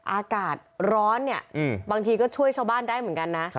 อากาศร้อนเนี่ยบางทีก็ช่วยชาวบ้านได้เหมือนกันนะ